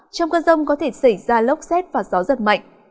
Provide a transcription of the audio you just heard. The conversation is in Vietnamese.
trong cơn rông có thể xảy ra lốc xét và gió giật mạnh